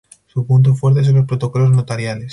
Su punto fuerte son los protocolos notariales.